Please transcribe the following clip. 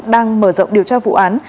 đang mở rộng điều tra vụ án